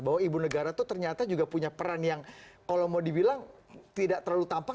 bahwa ibu negara itu ternyata juga punya peran yang kalau mau dibilang tidak terlalu tampak